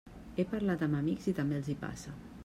He parlat amb amics i també els hi passa.